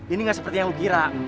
ini gak seperti yang lu kira